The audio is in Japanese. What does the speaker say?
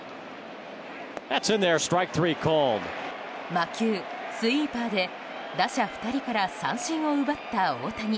魔球スイーパーで打者２人から三振を奪った大谷。